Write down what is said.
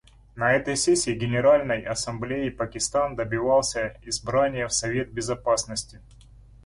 На этой сессии Генеральной Ассамблеи Пакистан добивается избрания в Совет Безопасности.